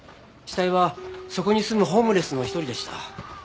死体はそこに住むホームレスの一人でした。